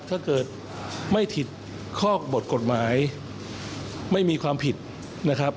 ถ้าเกิดไม่ผิดข้อบทกฎหมายไม่มีความผิดนะครับ